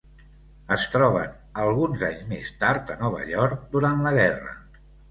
Es troben alguns anys més tard a Nova York durant la guerra.